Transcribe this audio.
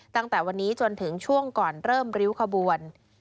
ตั้งแต่วันนี้จนถึงช่วงก่อนเริ่มริ้วขบวน